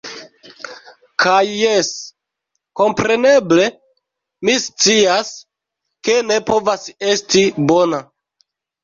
Kaj jes, kompreneble, mi scias, ke ne povas esti bona.